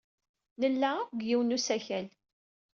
Nella akk deg yiwen n usakal.